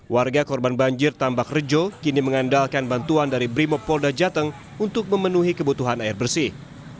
warga korban banjir tambak rejo kini mengandalkan bantuan dari brimopolda jateng untuk memenuhi kebutuhan air bersih